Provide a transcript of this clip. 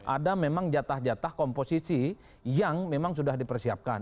ada memang jatah jatah komposisi yang memang sudah dipersiapkan